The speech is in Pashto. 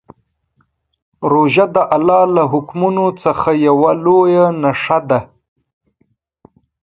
روژه د الله له حکمونو څخه یوه لویه نښه ده.